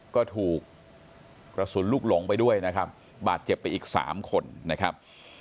ก็ถูกกระสุนลูกหลงไปด้วยนะครับบาดเจ็บไปอีกสามคนนะครับ